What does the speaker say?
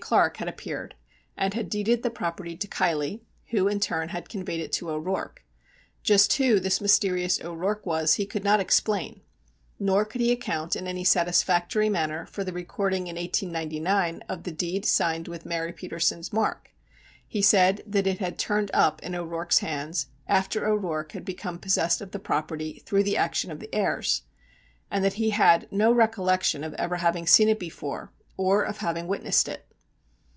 Clark had appeared and had deeded the property to Keilly, who in turn had conveyed it to O'Rourke. Just who this mysterious O'Rourke was he could not explain, nor could he account in any satisfactory manner for the recording in 1899 of the deed signed with Mary Petersen's mark. He said that it had "turned up" in O'Rourke's hands after O'Rourke had become possessed of the property through the action of the heirs, and that he had no recollection of ever having seen it before or having witnessed it.